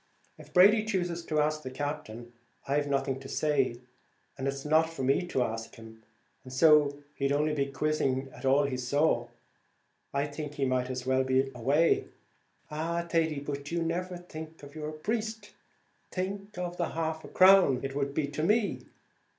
If Brady chooses to ask the Captain, I've nothing to say; it's not for me to ask him, and, as he'd only be quizzing at all he saw, I think he might as well be away." "Ah! Thady, but you never think of your priest; think of the half crown it would be to me.